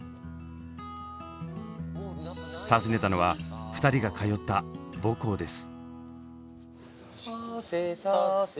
訪ねたのは２人が通った母校です。